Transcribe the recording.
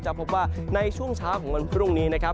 พบว่าในช่วงเช้าของวันพรุ่งนี้นะครับ